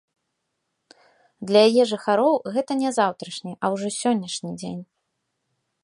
Для яе жыхароў гэта не заўтрашні, а ўжо сённяшні дзень.